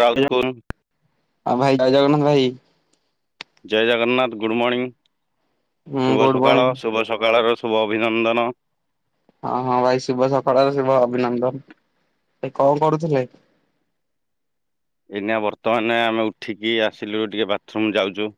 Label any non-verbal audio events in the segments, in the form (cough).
ରାଉତକୁଲ (inaudible) ଆଉ ଭାଇ ଜୟ ଜଗନ୍ନାଥ ଭାଇ। ଜୟ ଜଗନ୍ନାଥ, ଗୁଡ ମର୍ଣ୍ଣିିଂ, ହୁଁ ଶୁଭ ଗୁଡ ସକାଳ, ମର୍ଣ୍ଣିଂ। ଶୁଭ ସକାଳ ର ଶୁଭ ଅଭିନନ୍ଦନ। ହଁ, ହଁ ଭାଇ ଶୁଭ ସକାଳର ଶୁଭ ଅଭିନନ୍ଦନ। ଭାଇ କଣ କରୁଥିଲେ? ଏଇନା ବର୍ତ୍ତମାନେ ଆମେ ଉଠିକି ଆସିଲୁ ଟିକେ ବାଥରୁମ୍ ଯାଉଚୁ।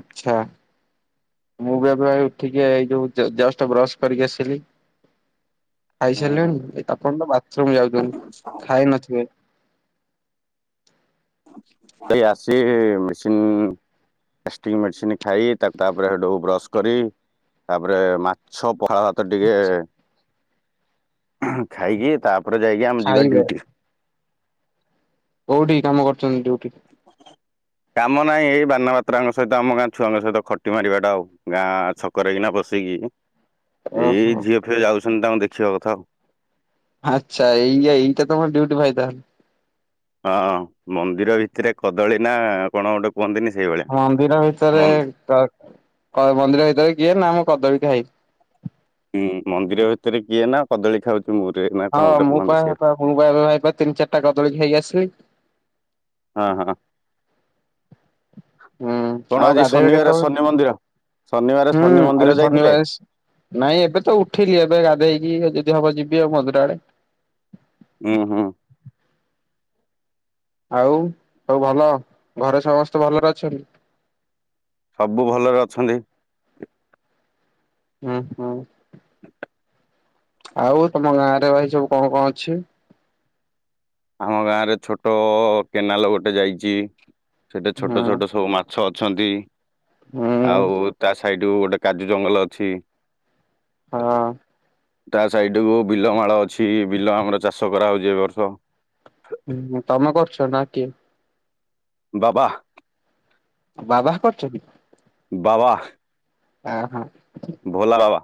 ଆଚ୍ଛା। ମୁଁ ବି ଏବେ ଉଠିକି ଏଇ ଯୋଉ ଜ-ଜଷ୍ଟ ବ୍ରଶ୍ କରିକି ଆସିଲି। ହୁଁ ହୁଁ ଖାଇସାରିଲେଣି? ଏ ଆପଣ ତ ବାଥରୁମ୍ ଯାଉଚନ୍ତି, ଖାଇ ନଥିବେ। ଏଇ ଆସି ମେସିନ୍ ଗାଷ୍ଟିକ୍ ମେଡିସିନ୍ ଖାଇ। ତା ତାପରେ ହେଟୁ ବ୍ରସ୍ କରି। ତାପରେ ମାଛ ପଖାଳ ଭାତ ଟିକେ ଖାଇକି। ତା ପରେ ଯାଇକି ଆମେ ଯିବା ଖାଇବେ। ଡ୍ୟୁଟି। କୋଉଠି କାମ କରୁଚନ୍ତି ଡ୍ୟୁଟି? କାମ ନାଇ, ଏଇ ବାନା ବାତ୍ରା ଙ୍କ ସହିତ ଆମ ଗାଁ ଛୁଆଙ୍କ ସହିତ ଖଟି ମାରିବା ଟା ଆଉ ଗାଁ ଛକରେ ଏଇକିନା ବ ବସିକି (unintelligible) ଏଇ ଓହୋ। ଝିଅ ଫିଅ ଯାଉଛନ୍ତି ତାଙ୍କୁ ଦେଖିବା କଥା ଆଉ। ଆଚ୍ଛା, ଏଇଆ ଏଇଟା ତୋମର ଡ୍ୟୁଟି ଭାଇ ତାହେଲେ। ହଁ ମନ୍ଦିର ଭିତରେ କଦଳୀ ନା କଣ ଗୋଟେ କୁହନ୍ତିନି ସେଇଭଳିଆ। ମନ୍ଦିର ଭିତରେ ମନ୍ଦି କ-କଣ ମନ୍ଦିର ଭିତରେ କିଏ ନା ମୁଁ କଦଳୀ ଖାଇନି। ହୁଁ, ମନ୍ଦିର ଭିତରେ କିଏ ନା କଦଳୀ ଖାଉ ହଁ ମୁଁ ପା ତା (unintelligible) ଏବେ ତିନି ଚାରିଟା କଦଳୀ ଖାଇକି ଆସିଲି। ହଁ ହଁ। ହୁଁ କଣ ଆଉ ଆଜି ଗାଧେଇବା ଶନିବାର କେତେବେଳେ? ଶନି ମନ୍ଦିର। ଶନିବାର ହୁଁ ଶନି ମନ୍ଦିର ଆଜି ଯାଇଥିଲେ ଶନିବାର ନାଇଁ ଏବେ ତ ଉଠିଲି ଏବେ ଗାଧେଇକି ଯିବି। ଯଦି ଯିବି ଆଉ ମନ୍ଦିର ଆଡେ। ହଁ ହଁ। ଆଉ ସବୁ ଭଲ ଘରେ ସମସ୍ତେ ଭଲରେ ଅଛନ୍ତି? ସବୁ ଭଲରେ ଅଛନ୍ତି। ହଁ ହଁ। (inaudible) ଆଉ ତମ ଗାଁ ରେ ଭାଇ ସବୁ କଣ କଣ ଅଛି? ଆମ ଗାଁ ରେ ଛୋଟ କେନାଲ ଗୋଟେ ଯାଇଛି ସେଠି ହୁଁ ଛୋଟ ଛୋଟ ସବୁ ମାଛ ଅ ଅଛନ୍ତି ହୁଁ ଆଉ ତା ସାଇଡ୍ ରୁ ଗୋଟେ କାଜୁ ଜଙ୍ଗଲ ଅଛି। ହଁ। ତା ସାଇଡ୍ କୁ ବିଲ ମାଳ ଅଛି ବିଲ ଆମର ଚାଷ କରାଯାଉଛି ଏ ବର୍ଷ। ହୁଁ ତମେ କରୁଛ ନା ଆଉ କିଏ? ବାବା। ବାବା କରୁଛନ୍ତି। ବାବା ହ ହଁ। ଭୋଲା ବାବା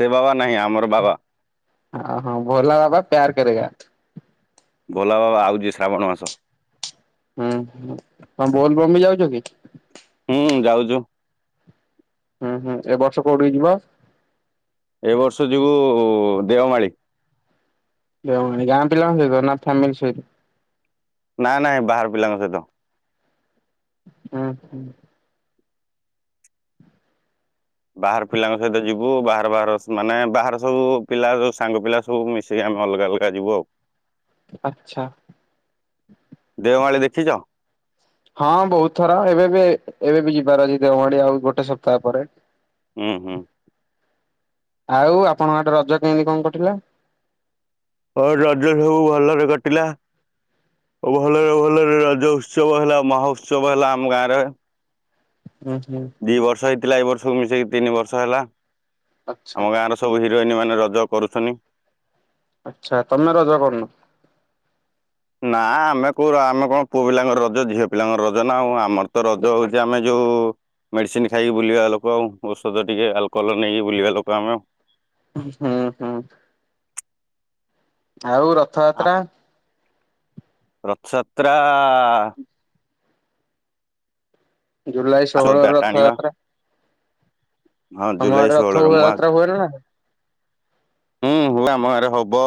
ସେ ବାବା। ନାହିଁ ଆମର ବାବା ହ ହଁ ଭୋଲା ବାବା ପ୍ୟାର୍ କରେଗା। ଭୋଲା ବାବା ଆଉଛି ଶ୍ରାବଣ ମାସ। ହୁଁ ହ ତମେ ବୋଲ୍ ବମ୍ ବି ଯାଉଛ କି? ଯୋଉ ହୁଁ ହୁଁ ଏବ ବର୍ଷ କୋଉଠି ଯିବ? ଏ ବର୍ଷ ଯିବୁ ଦେଓମାଳି। ଗାଁ ପିଲାଙ୍କ ସହିତ ନା ଫ୍ୟାମିଲି ସହିତ? ନାଇଁ ନାଇଁ ବାହାର ପିଲାଙ୍କ ସହିତ। ହୁଁ ହୁଁ। ବାହାର ପିଲାଙ୍କ ସହିତ ଯିବୁ ବାହାର ବାହାର ମାନେ ବାହାର ସବୁ ପିଲା ସୁ ସାଙ୍ଗ ପିଲା ସବୁ ମିଶି ଆଣି ଆମେ ଅଲଗା ଅଲଗା ଯିବୁ ଆଉ। ଆଚ୍ଛା। ଦେଓମାଳି ଦେଖିଛ? ହଁ ବହୁତ ଥର ଏବେ ବି ଏବେ ବି ଯିବାର ଅଛି ଦେଓମାଳି ଆଉ ଗୋଟେ ସପ୍ତାହ ପରେ ହୁଁ ହୁଁ। ଆଉ ଆପଣଙ୍କ ଆଡେ ରଜ କେମିତି କଣ କଟିଲା? ହଁ ରଜ ସବୁ ଭଲରେ କଟିଲା। ଭଲରେ ଭଲରେ ରଜ ଉତ୍ସବ ହେଲା ମହୋତ୍ସବ ହେଲା ଆମ ଗାଁରେ। ହୁଁ ହୁଁ। ଥିଲା ଏଇ ବର୍ଷକୁ ମିଶେଇକି ତିନି ବର୍ଷ ହେଲା ଆଚ୍ଛା ଆମ ଗାଁର ସବୁ ହିରୋଇନି ମାନେ ରଜ କରୁଛନ୍ତି। ଆଚ୍ଛା ତମେ ରଜ କରୁନ? ନା ଆମେ କୋଉ ଆମେ କଣ ପୁଅ ପିଲାଙ୍କ ରଜ ଝିଅ ପିଲାଙ୍କ ରଜ ନା ଆଉ ଆମର ତ ରଜ ହଉଛି ଆମେ ଯଉ ଯଉ ମେଡିସିନ ଖାଇକି ବୁଲିବା ଲୋକ ଆଉ ଔଷଧ ଟିକେ ଆଲକୋହଲ ନେଇକି ବୁଲିବା ଲୋକ ଆମେ ଆଉ। ହୁଁ ହୁଁ। ଆଉ ରଥଯାତ୍ରା ଯାତ୍ରା। ଜୁଲାଇ ଆସ ଷୋହଳ ରେ ଡାଟା ଆଣିବା ରଥଯାତ୍ରା। ହଁ ତମ ଆଡେ ଜୁଲାଇ ରଥ ଷୋହଳ ର ମୁଁ ଆ ଯାତ୍ରା ହୁଏ ନା ହୁଁ ହୁଏ ଆମ ଗାଁ ରେ ହବ।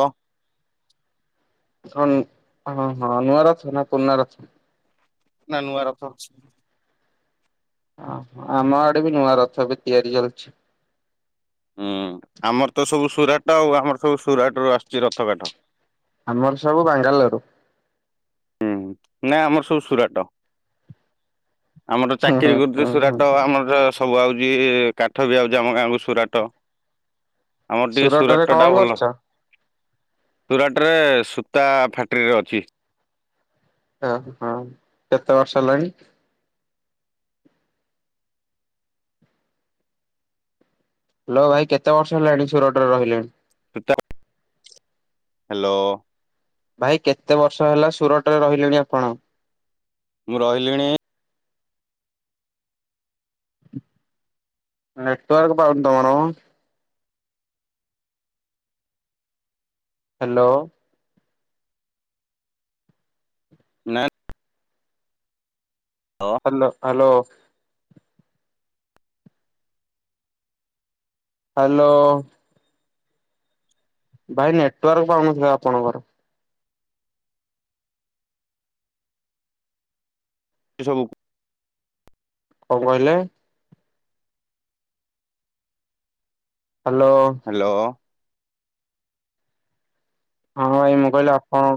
ହ ହଁ ହଁ ନୂଆ ରଥ ନା ପୁରୁଣା ରଥ? ନାଁ ନୂଆ ରଥ। ଓ ହୋ ଆମ ଆଡେ ବି ନୂଆ ରଥ ଏବେ ତିଆରି ଚାଲୁଛି। ହୁଁ ଆମର ତ ସବୁ ସୁରାଟ ଆଉ ଆମର ସବୁ ସୁରାଟରୁ ଆସିଛି ରଥ କାଠ। ଆମର ସବୁ ବାଙ୍ଗାଲୋରୁ। ନାଇ ଆମର ସବୁ ସୁରାଟ। ଆମର ହୁଁ ହୁଁ ଚାକିରୀ କରୁଛ ହୁଁ ହୁଁ ସୁରାଟ ଆମର ସବୁ ଆଉଛି କାଠ ବି ଆଉଛି ଆମ ଗାଁକୁ ସୁରାଟ। ଆମର ଟିକେ ସୁରଟରେ ସୁରାଟ କଣ ଟା ଭଲ କରୁଛ? ସୁରାଟ ରେ ସୁ ତା ଫ୍ୟାକ୍ଟ୍ରିରେ ଅଛି। ଓ ହ କେତେ ବର୍ଷ ହେଲାଣି? ଲୋ ଭାଇ କେତେ ବର୍ଷ ହେଲାଣି ସୁରଟରେ ରହିଲେଣି? ଟା ହ୍ୟାଲୋ। ଭାଇ କେତେ ବର୍ଷ ହେଲା ସୁରଟରେ ରହିଲେଣି ଆପଣ? ମୁଁ ରହିଲିଣି ନେଟୱାର୍କ ପାଉନି ତମର। ହ୍ୟାଲୋ। ନାଁ ହାଲୋ ହ୍ୟାଲୋ ହ୍ୟାଲୋ। ଭାଇ ନେଟୱାର୍କ ପାଉନଥିଲା ଆପଣଙ୍କର। ସେ ସବୁକୁ କଣ କହିଲେ। ହ୍ୟାଲୋ। ହ୍ୟାଲୋ ହଁ ଏଇ ମୁଁ କହିଲୁ ଆପଣ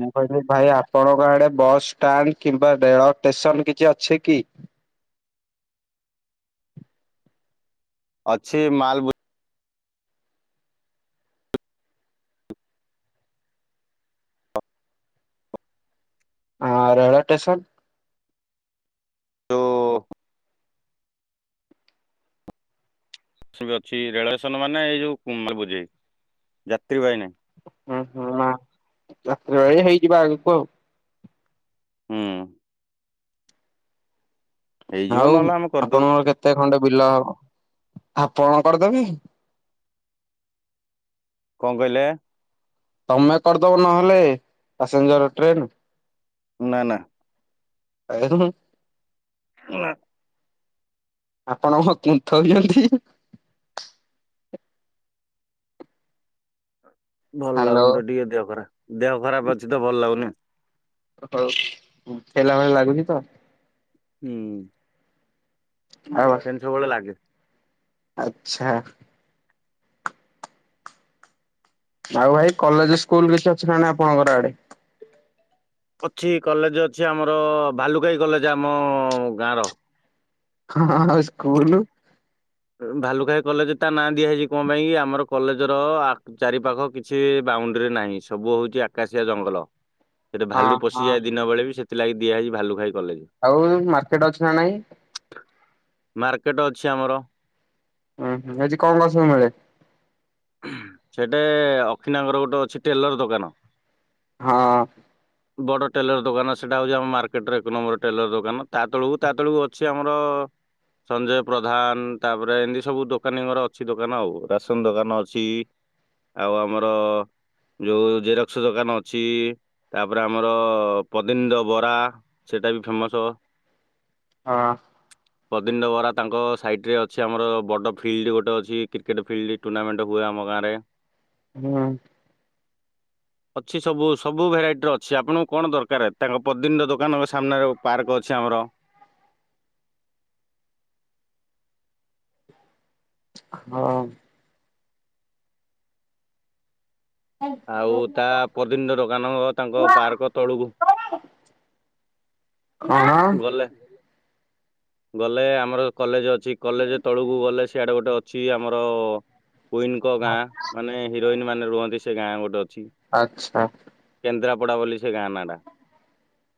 ମୁଁ କହିଲି ଭାଇ ଆପଣଙ୍କ ଆଡେ ବସ୍ ଷ୍ଟାଣ୍ଡ କିମ୍ବା ରେଳ ଷ୍ଟେସନ କିଛି ଅଛି କି? (inaudible) ଅଛି ମାଲ ଆଁ ରେଳ ଷ୍ଟେସନ? ଯୋଉ ବସ୍ ବି ଅଛି ରେଳଷ୍ଟେନ ମାନେ ଏଇ ଯୋଉ ମାଲ୍ ବୁଝେଇ ଯାତ୍ରୀ ବାହି ନାହିଁ। ହୁଁ ହୁଁ ମାଲ୍ ଯାତ୍ରୀ ବାହି ହେଇଯିବ ଆଗକୁ। ହୁଁ। ହେଇଯିବ ଆଉ ନହେଲେ ଆମେ କରିଦବୁ ଆପଣଙ୍କର କେତେ ଖଣ୍ଡେ ବିଲ ହବ। ଆପଣ କରିଦେବେ? କଣ କହିଲେ? ତମେ କରିଦବ ନହେଲେ ପାସେଞ୍ଜର ଟ୍ରେନ। ନାଁ ନାଁ। ଏ ହୁଁ। ନାଁ। ଆପଣ କଣ କୁନ୍ଥଉଛନ୍ତି? ଭଲ ହ୍ୟାଲୋ ଲାଗୁନି ତ ଟିକେ ଦେହ ଖରାପ ଦେହ ଖରାପ ଅଛି ତ ଭଲ ଲାଗୁନି। ହଉ ହେଲା ଭେଳିଆ ଲାଗୁଛି ତ। ହୁଁ। ଆଉ ସେନ୍ତି ସବୁ ବବେଳେ ଲାଗେ। ଆଚ୍ଛା। ଆଉ ଭାଇ କଲେଜ ସ୍କୁଲ କିଛି ଅଛି ନାଇ ଆପଣଙ୍କର ଆଡେ? ଅଛି କଲେଜ ଅଛି ଆମର ଭାଲୁକାଇ କଲେଜ ଆମ ଗାଁର ହଁ ସ୍କୁଲ। ଭାଲୁଖାଇ କଲେଜ ତା ନାଁ ଦିଆ ହେଇଛି କଣ ପାଇଁ ଆମର କଲେଜ ର ଚାରି ପାଖ କିଛି ରାଉଣ୍ଡରେ ନାହିଁ ସବୁ ହଉଛି ଆକାଶିଆ ଜଙ୍ଗଲ। ସେଠୀ ହଁ ଭାଲୁ ହଁ ପଶିଯାଏ ଦିନ ବେଳେ ବି ସେଥିଲାଗି ଦିଆ ହେଇଛି ଭାଲୁକାଇ। ଆଉ ମାର୍କେଟ ଅଛି ନା ନାଇଁ? ମାର୍କେଟ ଅଛି ଆମର। ଉୁଁ ହୁଁ ସେଠି କଣ କଣ ସବୁ ମିଳେ? ସେଠି ଅକ୍ଷିନାଙ୍କର ଗୋଟେ ଅଛି ଟେଲର ଦୋକାନ। ହଁ। ବଡ଼ ଟେଲର ଦୋକାନ, ସେଇଟା ହଉଛି ଆମ ମାର୍କେଟରେ, ଏକ ନମ୍ବର ଟେଲର ଦୋକାନ, ତା ତେଳକୁ ତା ତେଳକୁ ଅଛି ଆମର ସଞ୍ଜୟ ପ୍ରଧାନ ତାପରେ ଏମିତି ସବୁ ଦୋକାନୀଙ୍କର ଅଛି ଦୋକାନ ଆଉ, ରାସନ ଦୋକାନ ଅ ଅଛି ଆଉ ଆମର ଯୋଉ, ଜେରକ୍ସ ଦୋକାନ ଅଛି। ତାପରେ ଆମର ପଦିଣ୍ଡ ବରା ସେଇଟା ବି ଫେମସ ହଁ। ପଦୀଣ୍ଡ ବରା ତାଙ୍କ ସାଇଟ ରେ, ଅଛି ଆମର ବଡ ଫିଲ୍ଡ ଗୋଟେ ଅଛି, କ୍ରିକେଟ ଫିଲ୍ଡ ଟୁର୍ଣ୍ଣାମେଣ୍ଟ ହୁଏ ଆମ ଗାଁ ରେ ହୁଁ। (inaudible) ଅଛି ସବୁ ସବୁ ଭେରାଇଟିର ଅଛି। ଆପଣଙ୍କୁ କଣ ଦରକାର, ତାଙ୍କ ପଦିନ୍ଦା ଦୋକାନଙ୍କ ସାମ୍ନାରେ ପାର୍କ ଅଛି। ଅଛି ଆମର ହଁ। ଆଉ ତା ପଦିଣ୍ଡ ତ ଦୋକାନ ତାଙ୍କ ପାର୍କ ତଳୁକୁ (inaudible) କଣ? ଗଲେ ଆମର କଲେଜ ଅ ଛି କଲେଜ ତଳକୁ ଗଲେ ସିଆଡେ ଗୋଟେ ଅଛି ଆମର କୁଇନଙ୍କ ଗାଁ ମାନେ ହିରୋଇନ ମାନେ ରୁହନ୍ତି ସେ ଗାଁ ଗୋଟେ ଆଛା। କପଡ଼ା ବୋଲି ସେ ଗାଁ ନା ଟା।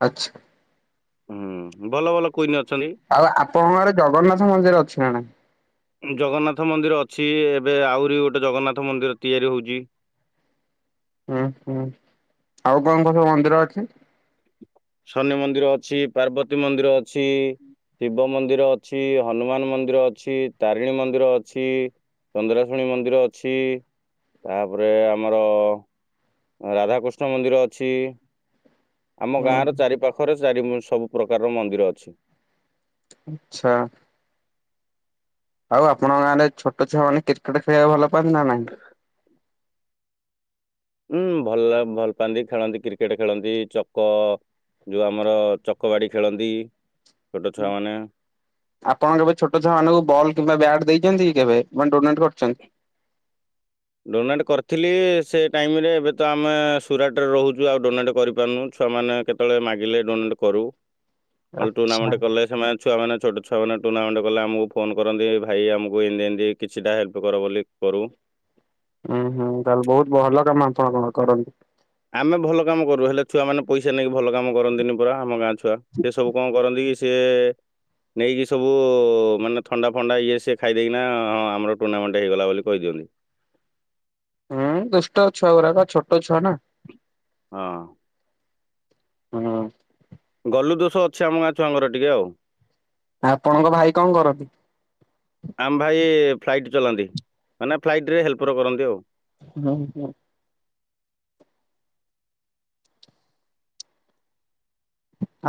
ଆଛା। ହୁଁ ଭଲ ଭଲ କୁଇନ ଅ ଆଉ ଆପଣଙ୍କ ଆଡେ ଜଗନ୍ନାଥ ମନ୍ଦିର ଅଛି ନା ନାହିଁ? ଜଗନ୍ନାଥ ମନ୍ଦିର ଅଛି। ଏବେ ଆହୁରି ଗୋଟେ ଜଗନ୍ନାଥ ମନ୍ଦିର ତିଆରି ହଉଚି। (inaudible) ଉଁହୁଁ ଆଉ କଣ କଣ ସବୁ ମନ୍ଦିର ଅଛି? ଶନି ମନ୍ଦିର ଅଛି ପାର୍ବତୀ ମନ୍ଦିର ଅଛି। ଶିବ ମନ୍ଦିର ଅଛି ହନୁମାନ ମନ୍ଦିର ଅଛି ତାରିଣୀ ମନ୍ଦିର ଅଛି। ଚନ୍ଦ୍ରାଶୁଣୀ ମନ୍ଦିର ଅଛି ତାପରେ ଆମର ରାଧାକୃଷ୍ଣ ମନ୍ଦିର ଅଛି ଆମ ଗାଁ ର ଚାରି ପାଖରେ ଚାରି ସବୁ ପ୍ରକାରର ମନ୍ଦିର ଅଛି। ଆଛା। ଆଉ ଆପଣଙ୍କ ଗାଁରେ ଛୋଟ ଛୁଆ ମାନେ କ୍ରିକେଟ ଖେଳିବାକୁ ଭଲ ପାଆନ୍ତି ନା ନାହିଁ? ହୁଁ ଭଲ ଲା ଭଲ ପାଆନ୍ତି ଖେଳନ୍ତି କ୍ରିକେଟ ଖେଳନ୍ତି ଚକ ଯୋଉ ଆମର ଚକବାଡ଼ି ଖେଳନ୍ତି। ଛୋଟ ଛୁଆମାନେ ଆପଣ କେବେ ଛୋଟ ଛୁଆ ମାନଙ୍କୁ ବଲ୍ କିମ୍ବା ବ୍ୟାଟ ଦେଇଛନ୍ତି କେବେ ମାନେ ଡୋନେ କରିଚନ୍ତି। ଡୋନେଟ୍ କରିଥିଲି। ସେ ଟାଇମରେ ଏବେ ତ ଆମେ ସୁରାଟରେ ରହୁଚୁ ଆଉ ଡୋନେଟ୍ କରିପାରୁନୁ ଛୁ ଛୁଆମାନେ କେତେବେଳେ ମାଗିଲେ ଡୋନେଟ୍ କରୁ ଅଲ ଆଚ୍ଛା। ଟୁର୍ଣ୍ଣାମେଣ୍ଟ କଲେ ସେମାନେ ଛୁଆମାନେ ଛୋଟ ଛୁଆ ମମାନେ ଟୁର୍ଣ୍ଣାମେଣ୍ଟ କଲେ ଆମକୁ ଫୋନ୍ କରନ୍ତି ଭାଇ ଆମକୁ ଇନ୍ଦି ଇନ୍ଦି କିଛିଟା ହେଲ୍ପ କର ବୋଲି କରୁ। ହୁଁ ହୁଁ ତାହଲେ ବହୁତ ଭଲ କାମ ଆପଣ କଣ କରନ୍ତ ଆମେ ଭଲ କାମ କରୁ ହେଲେ ଛୁଆ ମାନେ ପଇସା ନେଇକି ଭଲ କାମ କରନ୍ତିନି ପରା ଆମ ଗାଁ ଛୁଆ ସେ ସବୁ କଣ କରନ୍ତି କି ସିଏ ନେଇକି ସବୁ ମାନେ ଥଣ୍ଡା ଫଣ୍ଡା ଇଏ ସିଏ ଖାଇଦେଇକିନା ହଁ ଆମର ଟୁର୍ଣାମେଣ୍ଟ ହେଇଗଲା ବୋଲି କହିଦିଅ (unintelligible) ହୁଁ ଦୁଷ୍ଟ ଛୁଆ ଉରାକ ଛୋଟ ଛୁଆ ନା। ହଁ। ହୁଁ। ଗଲୁ ଦୋଷ ଅଛି ଆମ ଗାଁ ଛୁଆଙ୍କର ଟିକେ ଆଉ। ଆପଣଙ୍କ ଭାଇ କଣ କରନ୍ତି? ଆମ ଭାଇ ଫ୍ଲାଇଟ୍ ଚଲାନ୍ତି ମାନେ ଫ୍ଲାଇଟ୍ ରେ ହେଲ୍ପର କରନ୍ତି ଆଉ। ବୋହୁତୁ।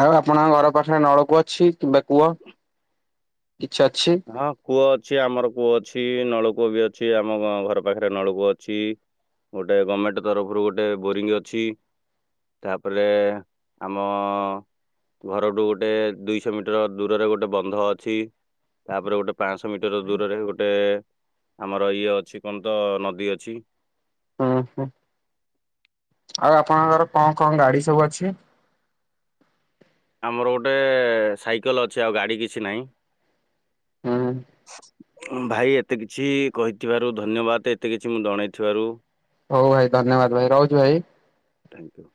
ଆଉ ଆପଣଙ୍କ ଘର କତିରେ ନଳକୂଅ ଅଛି କିମ୍ବା କୂଅ? କିଛି ଅଛି? ହଁ କୂଅ ଅଛି ଆମର କୂଅ ଅଛି ନଳ କୂଅ ବିି ଅଛି ଆମ ଘର ପାଖରେ ନଳକୂଅ ଅଛି। ଗୋଟେ ଗମେଣ୍ଟ ତରଫରୁ ଗୋଟେ ବୋରିଙ୍ଗ ଅଛି। ତାପରେ ଆମ ଘରଠୁ ଗୋଟେ ଦୁଇଶହ ମିଟର ଦୂରରେ ଗୋଟେ ବନ୍ଧ ଅଛି। ତାପରେ ଗୋଟେ ପାଁସ ମିଟର ଦୂରରେ ଗୋଟେ ଆମର ଇଏ ଅଛି କଣ ତ ନଦୀ ଅଛି। ଉଁ ହୁଁ। ଆଉ ଆପଣଙ୍କର କଣ କଣ ଗାଡି ସବୁ ଅଛି? ଆମର ଗୋଟେ ସାଇକେଲ ଅଛି ଆଉ ଗାଡି କିଛି ନାହିଁ। ହୁଁ (inaudible) ଭାଇ ଏତେ କିଛି କହିଥିବାରୁ ଧନ୍ୟବାଦ ଏତେ କିଛି ମୁଁ ଜଣେଇଥିବାରୁ ହୋଉ ଭାଇ ଧନ୍ୟବାଦ ଭାଇ ରହୁଛି ଭାଇ। ଥ୍ୟାଙ୍କୟୁ।